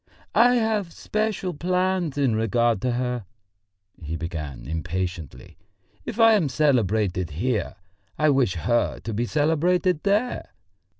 "I have special plans in regard to her," he began impatiently. "If I am celebrated here, I wish her to be celebrated there.